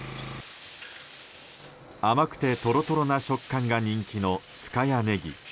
甘くてトロトロな食感が人気の深谷ねぎ。